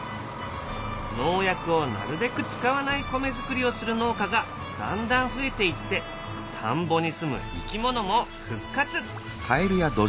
農薬をなるべく使わない米作りをする農家がだんだん増えていって田んぼにすむ生き物も復活！